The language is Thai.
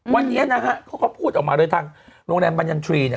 วันนี้นะฮะเขาก็พูดออกมาเลยทางโรงแรมบรรยันทรีย์เนี่ย